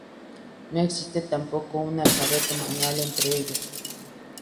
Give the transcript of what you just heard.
No existe tampoco un alfabeto manual entre ellos.